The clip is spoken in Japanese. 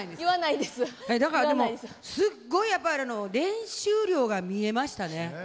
だからでもすっごいやっぱ練習量が見えましたね。